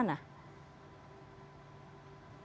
kenapa anda saat ini masih bisa berada di sana